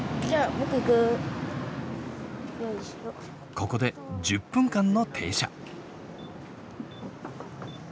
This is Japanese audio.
ここで１０分間の停車。